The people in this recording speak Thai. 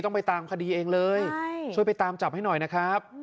ไปตามคดีเองเลยช่วยไปตามจับให้หน่อยนะครับ